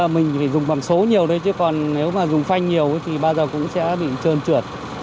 mình phải dùng bằng số nhiều đây chứ còn nếu mà dùng phanh nhiều thì bao giờ cũng sẽ bị trơn trượt